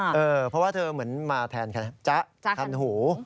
เพราะว่าเธอเหมือนมาแทนจ๊ะทันหู